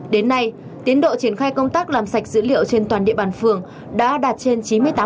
đến nay tiến độ triển khai công tác làm sạch dữ liệu trên toàn địa bàn phường đã đạt trên chín mươi tám